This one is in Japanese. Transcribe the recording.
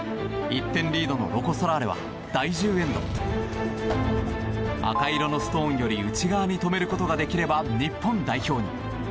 １点リードのロコ・ソラーレは第１０エンド赤色のストーンより内側に止めることができれば日本代表に。